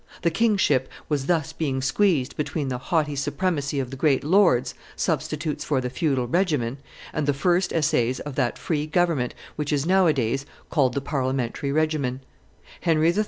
The kingship was thus being squeezed between the haughty supremacy of the great lords, substitutes for the feudal regimen, and the first essays of that free government which is nowadays called the parliamentary regimen. Henry III.